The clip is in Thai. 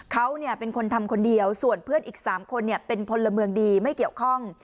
เขาเป็นคนทำคนเดียวส่วนเพื่อนอีก๓คนเป็นพลเมืองดีไม่เกี่ยวข้อง